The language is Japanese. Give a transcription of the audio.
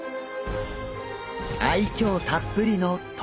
愛きょうたっぷりのえ！